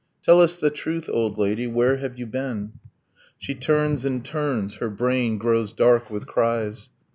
Tell us the truth, old lady! where have you been? She turns and turns, her brain grows dark with cries.